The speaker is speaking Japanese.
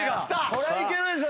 これはいけるでしょ